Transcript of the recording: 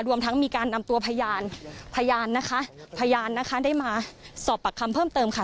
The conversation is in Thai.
รวมทั้งมีการนำตัวพยานนะคะได้มาสอบปากคำเพิ่มเติมค่ะ